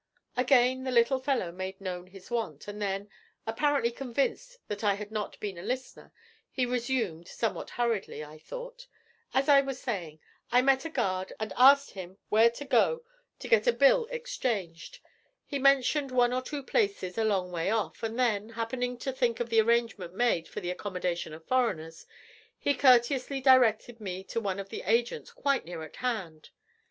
Again the fellow made known his want, and then, apparently convinced that I had not been a listener, he resumed, somewhat hurriedly, I thought: 'As I was saying, I met a guard and asked him where to go to get a bill exchanged; he mentioned one or two places a long way off, and then, happening to think of the arrangement made for the accommodation of foreigners, he courteously directed me to one of the agents quite near at hand.'